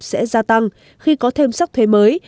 sẽ gia tăng khi có thêm sắc thuế mới